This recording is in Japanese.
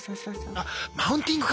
あっマウンティングか！